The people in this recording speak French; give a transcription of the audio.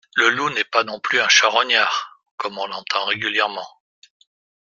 Le loup n’est pas non plus un charognard, comme on l’entend régulièrement.